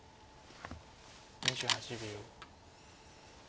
２８秒。